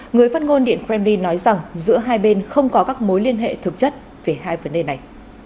người phát ngôn điện kremlin nói rằng giữa hai bên không có các mối liên hệ thực chất về hai vấn đề này